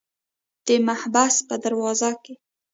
د محبس په دروازو کې.